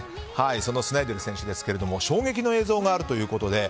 そのスナイデル選手ですが衝撃の映像があるということで。